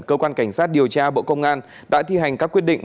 cơ quan cảnh sát điều tra bộ công an đã thi hành các quyết định